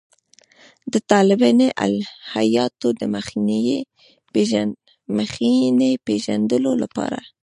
د طالباني الهیاتو د مخینې پېژندلو لپاره.